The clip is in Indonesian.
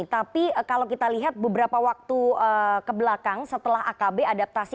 tapi kalau kita lihat beberapa waktu kebelakang setelah akb adaptasi